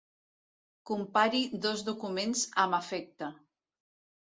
Compari dos documents amb afecte.